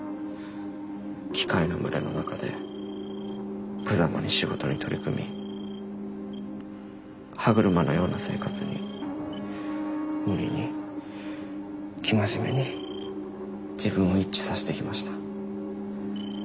機械の群れの中で無様に仕事に取り組み歯車のような生活に無理にきまじめに自分を一致させてきました。